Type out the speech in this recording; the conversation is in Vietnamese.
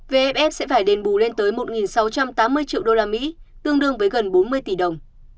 vfs sẽ phải đền bù lên tới một sáu trăm tám mươi triệu usd tương đương với gần bốn mươi tỷ đồng